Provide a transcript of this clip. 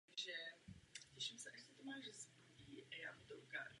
Zdrojem moci v raně moderní Evropě byla právě suverenita.